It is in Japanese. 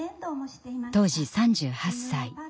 当時３８歳。